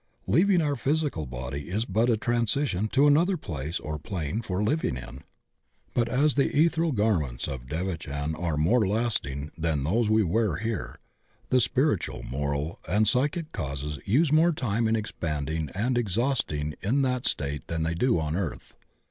Leav ing our physical body is but a transition to another place or plane for living in. But as the ethereal gar ments of devachan are more lasting than those we wear here, the spiritual, moral, and psychic causes use more time in expanding and exhausting in that state than they do on earth.